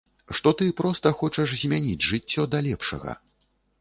Што ты проста хочаш змяніць жыццё да лепшага.